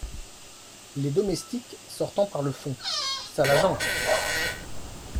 Les Domestiques , sortant par le fond. — Sale agence !